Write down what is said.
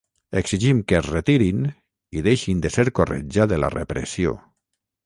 Exigim que es retirin i deixin de ser corretja de la repressió.